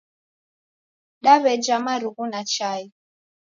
Daweja marugu na chai